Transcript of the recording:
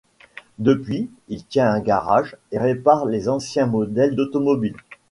Depuis, il tient un garage et répare les anciens modèles d'automobiles.